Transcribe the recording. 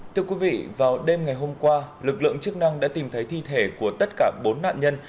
thưa quý vị vào đêm ngày hôm qua lực lượng chức năng đã tìm thấy thi thể của tất cả bốn nạn nhân